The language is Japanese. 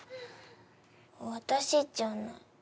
私じゃない。